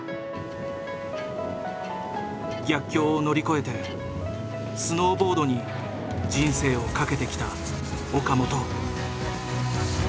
逆境を乗り越えてスノーボードに人生をかけてきた岡本。